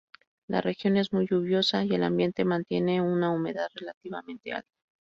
La región es muy lluviosa y el ambiente mantiene una humedad relativamente alta.